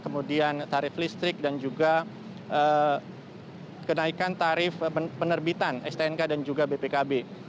kemudian tarif listrik dan juga kenaikan tarif penerbitan stnk dan juga bpkb